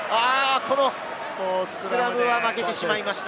このスクラムは負けてしまいました。